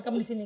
kamu di sini